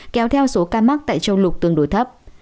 kéo theo số ca mắc tại châu lục tương đối thấp